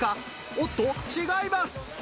おっと違います！